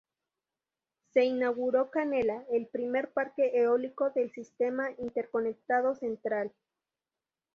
Se inauguró Canela, el primer Parque Eólico del Sistema Interconectado Central.